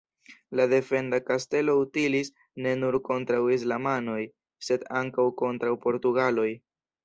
La defenda kastelo utilis ne nur kontraŭ islamanoj, sed ankaŭ kontraŭ portugaloj.